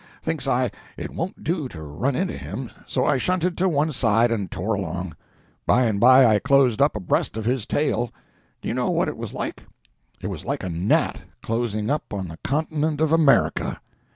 Thinks I, it won't do to run into him, so I shunted to one side and tore along. By and by I closed up abreast of his tail. Do you know what it was like? It was like a gnat closing up on the continent of America.